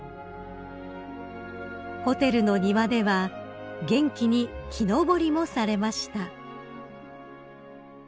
［ホテルの庭では元気に木登りもされました］